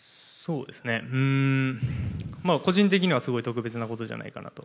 個人的にはすごく特別なことじゃないかと。